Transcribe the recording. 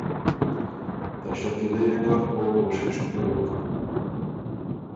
ته شکیلۀ يې ګۀ او کوشش بیوک